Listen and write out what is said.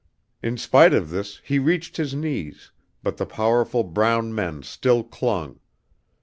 In spite of this, he reached his knees, but the powerful brown men still clung.